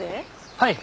はい。